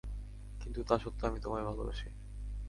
কিন্তু তা স্বত্বেও আমি তোমায় ভালবাসি!